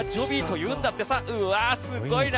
うわ、すごいな！